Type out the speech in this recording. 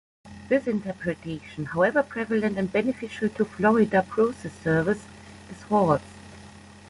This interpretation, however prevalent and beneficial to Florida process servers, is false.